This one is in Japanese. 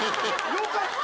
よかった。